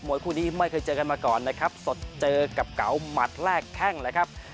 คู่นี้ไม่เคยเจอกันมาก่อนนะครับสดเจอกับเก๋าหมัดแรกแข้งเลยครับ